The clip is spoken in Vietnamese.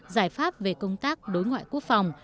giải pháp về công tác đối ngoại quốc phòng